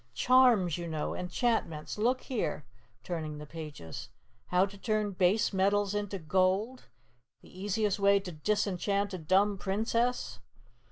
_ Charms, you know. Enchantments. Look here," turning the pages: "'HOW TO TURN BASE METALS INTO GOLD.' 'THE EASIEST WAY TO DISENCHANT A DUMB PRINCESS.